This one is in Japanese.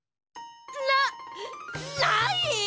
なっない！？